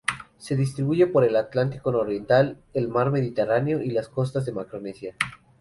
Se distribuye por el Atlántico nororiental, el mar Mediterráneo y las costas de Macaronesia.